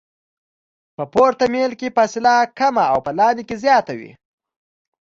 په پورته میل کې فاصله کمه او په لاندې کې زیاته وي